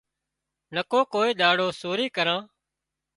نڪو ڪوئي ۮاڙو سورِي ڪران